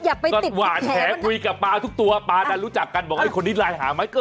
อย่าไปติดแถวนั้นนะคุยกับปลาทุกตัวปลาจะรู้จักกันบอกว่าคนนี้รายหาไหม